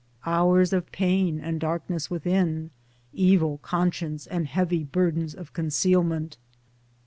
Hours of pain and darkness within, evil conscience and heavy burdens of concealment